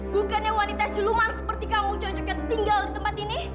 bukannya wanita ciluman seperti kamu cocoknya tinggal di tempat ini